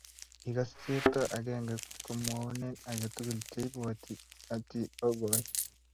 Kigas chepto akenge komwoune age tukuk cheibwatu Haji okoi.